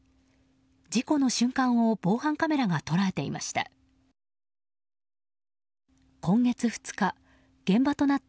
事故の瞬間を防犯カメラが捉えていました。